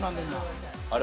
あれ？